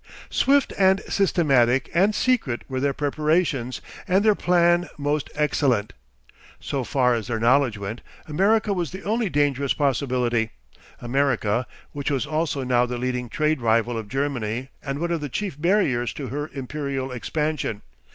Swift and systematic and secret were their preparations, and their plan most excellent. So far as their knowledge went, America was the only dangerous possibility; America, which was also now the leading trade rival of Germany and one of the chief barriers to her Imperial expansion.